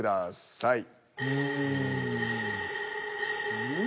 うん。